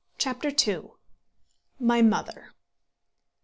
CHAPTER II. MY MOTHER.